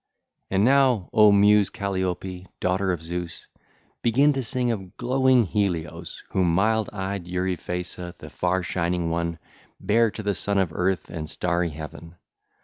1 16) 2534 And now, O Muse Calliope, daughter of Zeus, begin to sing of glowing Helios whom mild eyed Euryphaessa, the far shining one, bare to the Son of Earth and starry Heaven.